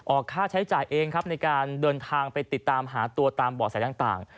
ค่าใช้จ่ายเองครับในการเดินทางไปติดตามหาตัวตามเบาะแสต่าง